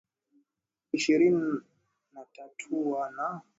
ishirini na tatau na